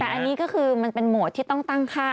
แต่อันนี้ก็คือมันเป็นโหมดที่ต้องตั้งค่า